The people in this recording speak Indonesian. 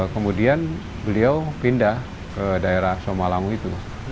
kemudian beliau pindah ke daerah somalangu itu